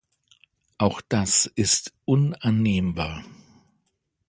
Auch das ist unannehmbar.